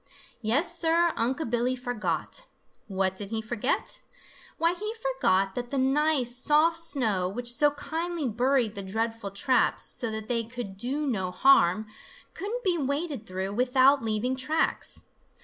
Yes, Sir, Unc' Billy forgot! What did he forget? Why, he forgot that that nice, soft snow, which so kindly buried the dreadful traps so that they could do no harm, couldn't be waded through without leaving tracks.